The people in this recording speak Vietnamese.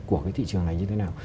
của thị trường này như thế nào